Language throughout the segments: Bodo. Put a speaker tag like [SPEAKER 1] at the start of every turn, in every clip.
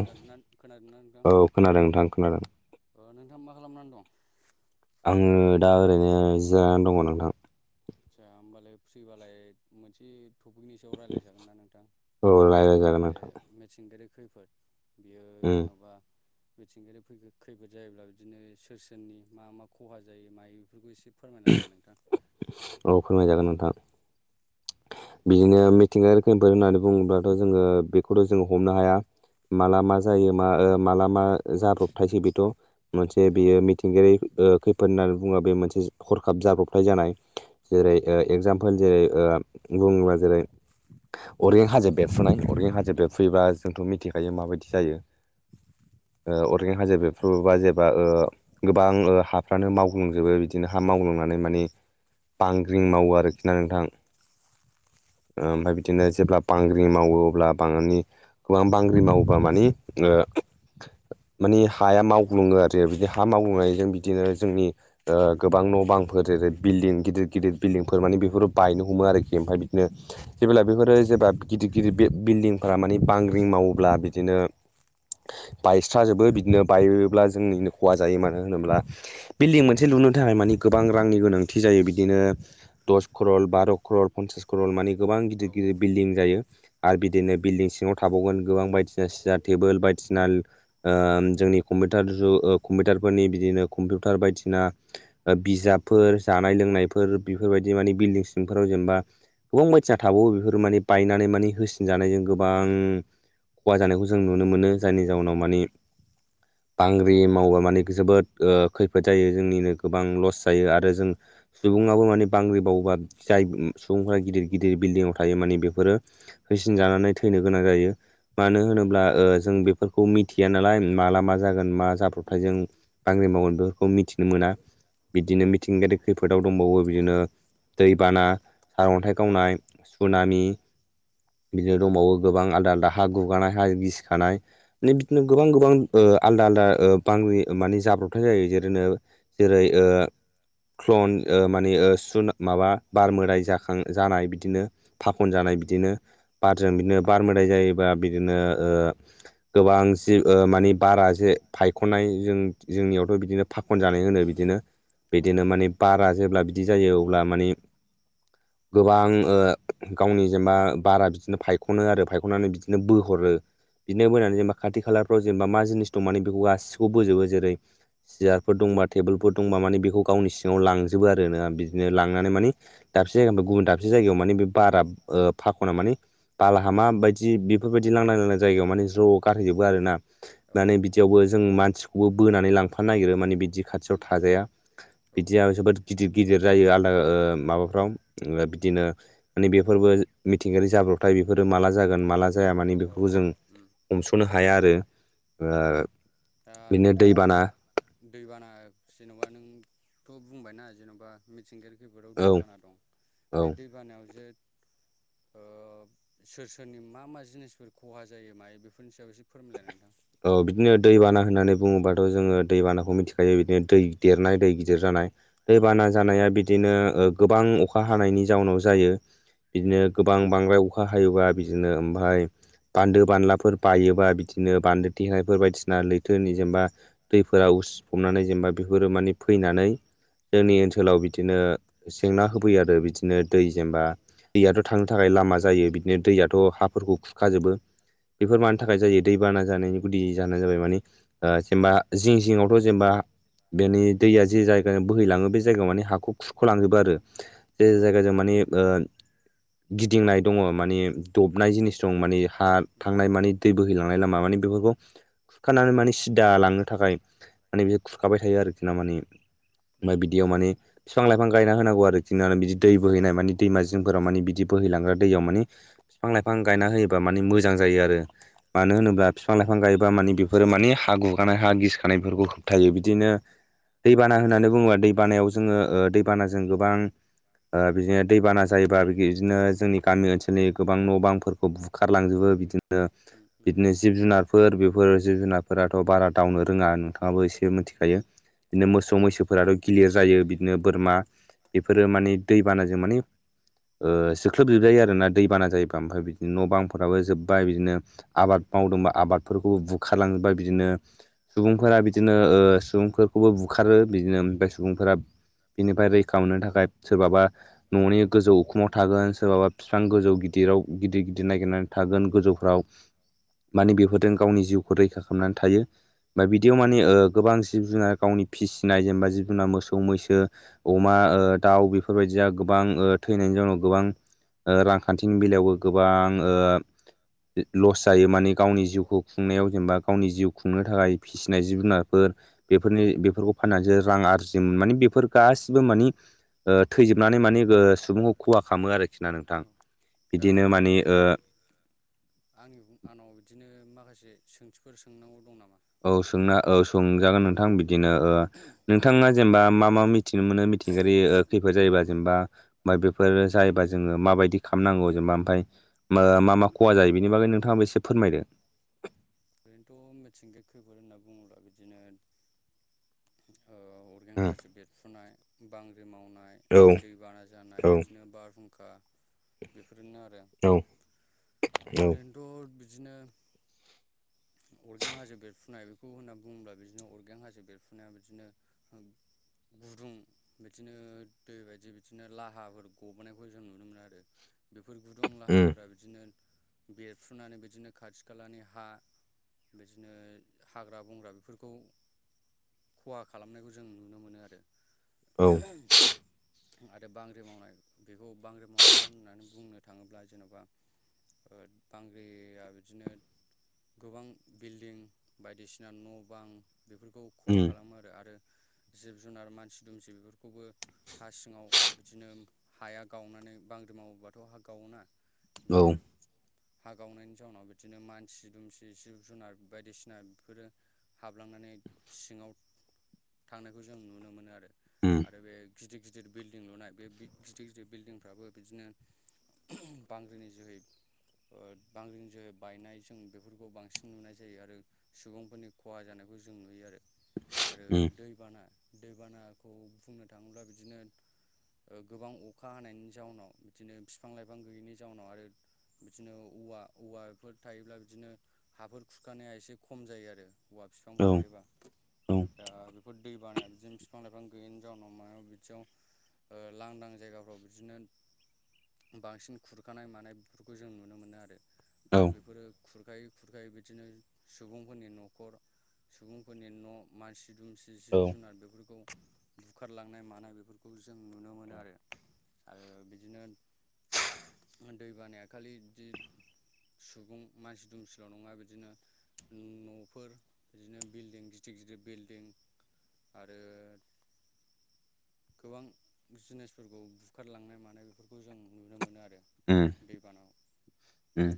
[SPEAKER 1] खोनादोंना खोनादोंना नोंथां? अ नोंथां मा खालामनानै दं?
[SPEAKER 2] आङो दा ओरैनो जिरानानै दङ नोंथां।
[SPEAKER 1] आस्सा होमबालाय फ्रिबालाय मोनसे टपिकनि सायाव रायज्लाय जागोन ना नोंथां जे मिथिंगायारि खैफोद। बियो जेन'बा। मिथिंगायारि खैफोद जायोब्ला बिदिनो सोर सोरनि मा मा खहा जायो मायो बेफोरखौ एसे फोरमायना होलाय नोंथां।
[SPEAKER 2] औ फोरमायजागोन नोंथां। बिदिनो मिथिंगा रोखोमफोर होननानै बुङोब्लाथ' जोङो बेखौथ' जोङो हमनो हाया। माला मा जायो मा माला मा जाब्रबथायसै बेथ' मोनसे मिथिंगायारि ओ खैफोद होननानै बुङोबो बेयो मोनसे हरखाब जाब्रबथाय जानाय जेरै ओ एगजामपोल जेरै बुङोब्ला जेरै अरगें हाजो बेरफुनाय अरगें हाजो बेरफुयोबा जोंथ' मिथिखायो माबादि जायो अरगें हाजो बेरफ्रुबा जेबा ओ गोबां हाफ्रानो मावग्लांजोबो बिदिनो हा मावग्लांनानै माने बांग्रिं मावो आरोखि ना नोंथां। ओमफ्राय बिदिनो जेब्ला बांग्रि मावो अब्ला बांग्रिंनि गोबां बांग्रि मावोबा मानि मानि हाया माव बुङो आरो बिदि हा मावनायजों बिदिनो जोंनि गोबां न' बांफोर ओ बिल्डिं गिदिर गिदिर बिल्डिंफोर माने बेफोर बायनो हमो आरोखि। ओमफ्राय बिदिनो जेब्ला बेफोरो जेब्ला गिदिर गिदिर बि-बिल्डिंफोरा माने बांग्रिं मावोब्ला बिदिनो बायस्राजोबो बिदिनो बायोब्ला जोंनिनो खहा जायो मानो होनोब्ला बिल्डिं मोनसे लुनो थाखाय मानि गोबां रांनि गोनांथि जायो बिदिनो दस खरल बार' खरल पन्सास कररल मानि गोबां गिदिर गिदिर बिल्डिं जायो आरो बिदिनो बिल्डिं सिङाव थाबावगोन गोबां बायदिसिना सियार टेबोल बायदिसिना ओ जोंनि कम्पिउटार जु- ओ कम्पिउटारफोरनि बिदिनो कम्पिउटार बायदिसिना बिजाबफोर जानाय लोंनायफोर बेफोरबायदि माने बिल्डं सिंफोराव जेनेबा गोबां बायसिना थाबावो बेफोर माने बायनानै माने होसिनजानायजों गोबां खहा जानायखौ जों नुनो मोनो जायनि जाउनाव मानि बांग्रि मावोबा माने जोबोद खैफोद जायो जोंनिनो गोबां लस जायो आरो जों सुबुङाबो माने बांग्रिबावोबा जाय सुबुंफोरा गिदिर गिदिर बिल्डिंआव थायो माने बेफोरो होसिन जानानै थैनो गोनां जायो। मानो होनोब्ला ओ जों बेफोरखौ मिथिया नालाय माला मा जागोन मा जाब्रथाय जों बांग्रि मावगोन बेफोरखौ मिथिनो मोना बिदिनो मिथिंगायारि खैफोदाव दंबावो बिदिनो दैबाना। सारअन्थाइ गावनाय सुनामि। बिदिनो दंबावो गोबां आलदा आलदा हा गुगानाय हा गिसिखानाय। बिदिनो गोबां गोबां आलदा आलदा बांग्रि माने जाब्रबथाय जायो जेरैनो। जेरै क्लन माने सु माबा बारमोदाय जा। जानाय बिदिनो फाखन जानाय बिदिनो बारजों बिदिनो बार मोदाय जायोबा बिदिनो ओ गोबां जि मानि बारा फायखनाय जों बिदिनो फाखन जानाय होनो बिदिनो बिदिनो माने बारा जेब्ला बिदि जायो अब्ला मानि। गोबां गावनि जेनेबा बारा बिदिनो फायखनो आरो फायखनानै बिदिनो बोहरो। बिदिनो बैनानै जेनेबा खाथि खालारफ्राव जेनेबा मा जिनिस दं माने बेखौ गासिखौ बोजोबो जेरै। सियारफोर दंबा टेबोलफोर दंबा माने बेखौ गावनि सिङाव लांजोबो आरो ना बिदिनो लांनानै मानि। दाबसे जायगानिफ्राय गुबुन दाबसे जायगायाव माने बे बारा फाखना माने बालाहामा बायदि बेफोरबायदि लांदां लांदां जायगायाय माने ज' गारहै जोबो आरो ना। माने बिदियावबो जों मानसिखौबो बोनानै लांफानो नागिरो माने बिदि खाथियाव थाजाया। बिदि आरो जोबोद गिदिर गिदिर जायो आलादा माबाफ्राव बिदिनो। नेै बेफोरबो मिथिंगायारि जाब्रबथाय बेफोरो माला जागोन माला जाया माने बेफोरखौ जों। हमस'नो हाया आरो ओ।
[SPEAKER 1] दा नोंथां दैबाना जेन'बा नोंथ' बुंबायना जेनबा। मिथिंगायारि खैफोदाव दैबाना दं बे दैबानायाव जे ओ। सोर सोरनि मा मा जिनिसफोर खहा जायो मायो बेफोरनि सायाव एसे फोरमायलायनो नोंथां।
[SPEAKER 2] औ बिदिनो दैबाना होननानै बुङोबाथ' जोङो दैबानाखौ मिथिखायो बिदिनो दै देरनाय दै गिदिर जानाय। दैबाना जानाया बिदिनो गोबां अखा हानायनि जाउनाव जायो बिदिनो गोबां। बांद्राय अखा हायोबा बिदिनो ओमफ्राय बान्दो बानलाफोर बायोबा। बिदिनो बान्दो थेनायफोर बायदिसिना लैथोनि जेनेबा दैफोरा उसिफबनानै जेनेबा बेफोरो माने फैनानै जोंनि ओनसोलाव बिदिनो जेंना होफैयो आरो बिदिनो दै जेनेबा दैयाथ' थांनो थाखाय लामा जायो बिदिनो दैयाथ' हाफोरखौ खुरखाजोबो बेफोर मानि थाखाय जायो दैबाना जानायनि गुदि जाहोना जाबाय मानि जेनेबा जिं जिङावथ' जेनेबा बेनि दैया जे जायगायाव बोहैलाङो बे जायगायाव माने हाखखौ खुरख'लांजोबो आरो जे जायगाजों मानि ओ गिदिंनाय दङ माने दबनाय जिनिस दं माने हा थांनाय माने दै बोहैलां थांनाय माबानि बेफोरखौ खुरखानानै माने सिदा लांनो थाखाय माने बि खुरखाबाय थायो आरोखि ना माने ओमफ्राय बिदियाव माने बिफां लाइफां गायना होनांगौ आरोखि न बिदि दै बोहैनाय मानानि दैमा जिंफोराव माने बिदि बोहैलांग्रा दैयाव माने बिफां लाइफां गायना होयोबा माने मोजां जायो आरो मानो होनोब्ला बिफां लाइफां गायोबा मानि बेफोरो माने हा गुगानाय हा गिसखानायफोरखौ होबथायो बिदिनो दैबाना होननानै बुङोबा दैबानायाव जोङो दैबानाजों गोबां ओ बिदिनो दैबाना जायोबा बि बिदिनो जोंनि गामि ओनसोलनि गोबां न' बांफोरखौ बु बुखारलांजोबो बिदिनो बिदिनो जिब जुनारफोर बेफोर जिब जुनारफोराथ' बारा दावनो रोङा नोंथाङाबो एसे मिथिखायो बिदिनो मोसौ मैसोफोराथ' गिलिर जायो बिदिनो बोरमा बेफोरो माने दैबानाजों माने ओ सोख्लोबजोबजायो आरो ना दैबाना जायोबा ओमफ्राय बिदिनो न' बांफोराबो जोब्बाय बिदिनो आबाद मावदोंबा आबादफोरखौबो बुखारलाङोबा बिदिनो सुबुंफोरा बिदिनो ओ सुबुंफोरखौबो बुखारो बिदिनो ओमफ्राय सुबुंफोरा बिनिफ्राय रैखा मोननो थाखाय सोरबाबा न'नि गोजौ उखुमाव थागोन सोरबाबा बिफां गोजौ गिदिराव गिदिर गिदिर नागिरनानै थागोन गोजौफ्राव माने बेफोरजों गावनि जिउखौ रैखा खालामनानै थायो। बा बिदियाव मानि ओ गोबां जिब जुनार गावनि फिसिनाय जेनेबा जिब जुनार मोसौ मैसो अमा ओ दाउ बेफोरबायदिया गोबां ओ थैनायनि जाहोनाव गोबां ओ रांखान्थिनि बेलायावबो गोबां ओ लस जायो माने गावनि जिउखौ खुंनायाव जेनेबा गावनि जिउ खुंनो थाखाय फिसिनाय जि जुनारफोर बेफोरनि बेफोरखौ फाननानैसो रां आरजियोमोन माने बेफोर गासिबो मानि ओ थैजोबनानै मानि सुबुंखौ खुहा खालामो आरोखि ना नोंथां बिदिनो मानि ओ
[SPEAKER 1] आंनि बुंआंनाव बिदिनो माखासे सोंथिफोर सोंनांगौ दं नामा
[SPEAKER 2] औ सोंना औ सोंजागोन नोंथां बिदिनो ओ नोंथाङा जेनेबा मा मा मिथिनो मोनो मिथिंगायारि ओ खैफोद जायोबा जेनेबा मायबाफोर जायोबा जोङो माबायदि खालामनांगौ जेनेबा ओमफाय मा मा खहा जायो बेनि बागै नोंथांङाबो एसे फोरमायदों
[SPEAKER 1] ओरैनोथ' मिथिंगाय खैफोद होनना बुङोब्ला बिदिनो ओ अरगें हाजो बेरफुनाय बांग्रिं मावनाय दै बाना जानाय बिदिनो बारहुंखा बेफोरनो आरो
[SPEAKER 2] औ औ
[SPEAKER 1] थ' बिदिनो अरगें हाजो बेरफुनाय बेखौ होनोबुंङोब्ला बिदिनो अरगें हाजो बेरफुनाय बिदिनो ओम गदुं बिदिनो दै बायदि बिदिनो लााहाफोर गबोनायखौ जों नुनो मोनो आरो बेफोर गुदुं लाहाफोरा बिदिनो बेरफ्रुनानै बिदिनो खाथि खालानि हा बेदिनो हाग्रा बंग्रा बेफोरखौ खहा खालामनायखौ जों नुनो मोनो आरो। आरो बांग्रि मावनाय बेखौ बांग्रि मावनायखौ होननानै बुंनो थाङोब्ला जेन'बा बांग्रिया बिदिनो गोबां बिल्डिं बायदिसिना न' बां बेफोरखौ खहा खालामो आरो आरो जिब जुनार मानसि दुमसि बेफोरखौबो हा सिङाव बिदिनो हाया गावनानै बांग्रि मावोबाथ' हा गावोना जे हा गावनायनि जाउनाव बिदिनो मानसि दुमसि जि जिब जुनार बायदिसिना बेफोरो हाबलांनानै सिङाव थांनायखौ जों नुनो मोनो आरो आरो बे गिदिर गिदिर बिल्डिं लुनाय बे गिदिर गिदिर बिल्डिंफ्राबो बिदिनो बांग्रिनि जोहै बांग्रिनि जोहै बायनाय जों बे बांसिन नुनाय जायो आरो सुबुंफोरनि खहा जानायखौ जों नुयो आरो दै दैबाना दैबानाखौ बुंनो थाङोब्ला बिदिनो गोबां अखा हानायनि जाउनाव बिदिनो बिफां लाइफां गैयैनि जाउनाव आरो बिदिनो औवा औवाफोर थायोब्ला बिदिनो हाफोर खुरखानाया एसे खम जायो आरो औवा बिफांफोर थायोबा। दा बेफोर दै बानाया बिदिनो बिफां लाइफां गैयिनि जाउनाव मायाव बिदियाव लांदां जायगाफ्राव बिदिनो बांसिन खुरखानाय मानाय जों नुनो मोनो आरो बेफोरो खुरखायै खुरखायो बिदिनो सुबुंफोरनि न'खर सुबुंफोरनि न' मानसि दुमसि जि जिब जुनार बेफोरखौ बुखारलांनाय मानाय बेफोरखौ जों नुनो मोनो आरो आरो बिदिनो दै बानाया खालि बिदि सुबुं मानसि दुमसि सिल' नङा बिदिनो न'फोर बिदिनो बिल्डिं गिदिर गिदिर बिल्डिं आरो गोबां जिनिसफोरखौ बुखारलांनाय मानाय बेफोरखौ जों नुनो मोनो आरो
[SPEAKER 2] उम उम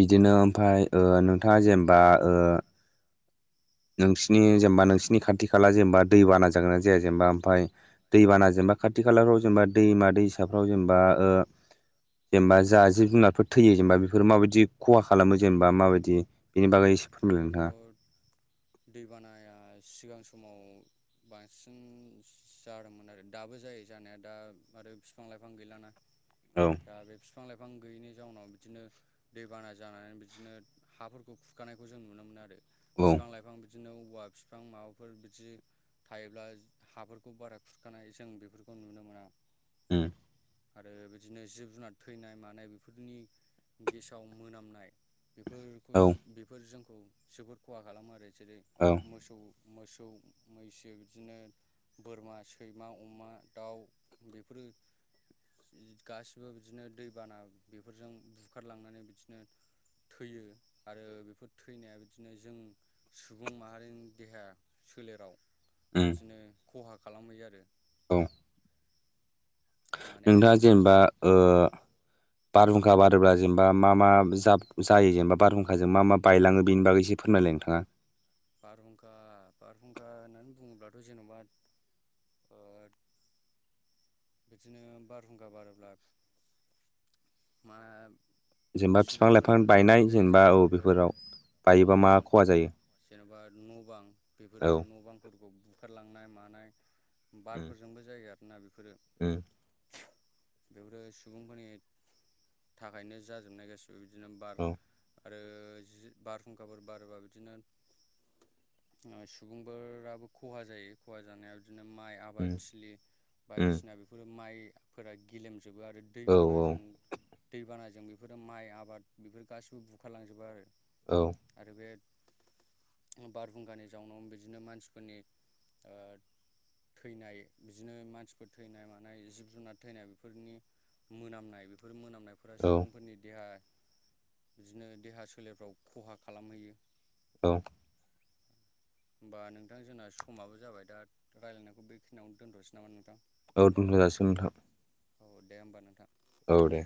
[SPEAKER 2] बिदिनो ओमफ्राय ओ नोंथाङा जेनेबा ओ नोंसिरनि जेनेबा नोंसिरनि खाथि खाला जेनेबा दैबाना जागोना जाया जेनेबा ओमफ्राय दैबाना जेनेबा खाथि खालाफ्राव जेनेबा दैमा दैसाफ्राव जेनेबा ओ जेनेबा जा जिब जुनारफोर थैयो जेनेबा बेफोर माबायदि खहा खालामो जेनेबा माबायदि बिनि बागै
[SPEAKER 1] ओरैनोथ' दैबानाया सिगां समाव बांसिन जादोंमोन आरो दाबो जायो जानाया दा आरो बिफां लाइफां गैलाना। [inaudible]
[SPEAKER 2] औ
[SPEAKER 1] दा बे बिफां लाइफां गैयिनि जाउनाव बिदिनो दैबाना जानानै बिदिनो हाफोरखौ खुर खानायखौ जों नुनो मोनो आरो बिफां लाइफां बिदिनो औवा बिफां माबाफोर बिदि थायोब्ला हाफोरखौ बारा खुरखानाय जों बेफोरखौ नुनो मोना।
[SPEAKER 2] उम
[SPEAKER 1] आरो बिदिनो जिब जुनार थैनाय मानाय बेफोरनि गेसाव मोनामनाय बेफोरखौ बेफोर जोंखौ जोबोद खहा खालामो आरो जेरै
[SPEAKER 2] औ
[SPEAKER 1] मोसौ मोसौ मैसो बिदिनो बोरमा सैमा अमा दाउ बेफोरो गासिबो बिदिनो दैबाना बेफोरजों बुखारलांनानै बिदिनो थैयो आरो बेफोर थैनाया बिदिनो जों सुबुं माहारिनि देहा सोलेराव बिदिनो खहा खालामहो आरो।
[SPEAKER 2] औ नोंथाङा जेनेबा ओ बारहुंखा बारोब्ला जेनेबा मा मा जाब जायो जेनेबा बारहुंखाजों मा मा बायलाङो बेनि बागै एसे फोरमालाय नोंथाङा
[SPEAKER 1] बारहुंखा बारहुंखा होननानै बुङोब्लाथ' जेन'बा बिदिनो बारहुंखा बारोब्ला मा सुबुंफोरखौनो होनजायो जेन'बा औ न' बां जेनेबा न' बां बेफोरो न' बांफोरखौ खारलांनाय मानाय बारफोरजोंबो जायो आरोना बेफोरो
[SPEAKER 2] उम
[SPEAKER 1] बेफोरो सुबुंफोरनि थाखायनो जाजोबनाय गासिबो बिदिनो बार आरो जि बारहुंखाफोर बारोबा बिदिनो सुबुंफोराबो खहा जायो खहा जानायाव बिदिनो माइ आबादथिलि बायदिसिना बेफोरो माइफोरा गिलेमजोबो आरो दैबानाजों - दैबानाजों बेफोरो माइ आबाद बेफोर गासैबो बुखारलांजोबो आरो
[SPEAKER 2] औ
[SPEAKER 1] आरो बे बारहुंगानि जाउनाव बिदिनो मानसिफोरनि ओ थैनाय बिदिनो मानसिफोर थैनाय मा नाय जिब जुनार थैनाय बेफोरनि मोनामनाय मोननाय फोरा सुबुंफोरनि देहा बिदिनो देहा सोलेरफ्राव खहा खालामहैयो
[SPEAKER 2] औ
[SPEAKER 1] [inaudible] होमबा नोंथां जोंना समाबो जाबाय दा रायलायनायखौ बेखिनियावनो दोनथ'सै नामा नोंथां?
[SPEAKER 2] औ दोनथ'जासिगोन नोंथां
[SPEAKER 1] औ दे होमबा नोंथां
[SPEAKER 2] औ दे